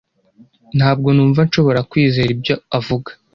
Ntabwo numva nshobora kwizera ibyo avuga.